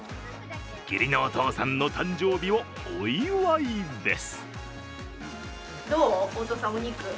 義理のお父さんの誕生日をお祝いです。